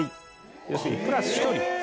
要するにプラス１人。